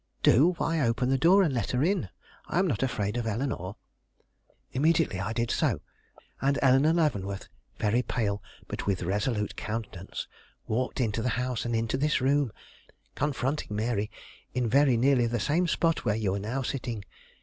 "Do? why, open the door and let her in; I am not afraid of Eleanore." I immediately did so, and Eleanore Leavenworth, very pale, but with a resolute countenance, walked into the house and into this room, confronting Mary in very nearly the same spot where you are now sitting.